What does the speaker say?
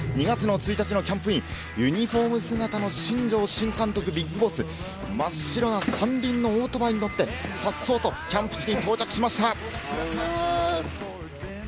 ２月の１日のキャンプイン、ユニフォーム姿の新庄新監督、ビッグボス、真っ白な三輪のオートバイに乗って、さっそうとキャンプ地に到着しました。